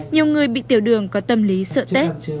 nhiều người bị tiểu đường có tâm lý sợ tết